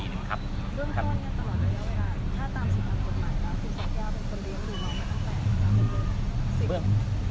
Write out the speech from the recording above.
ไม่ใช่นี่คือบ้านของคนที่เคยดื่มอยู่หรือเปล่า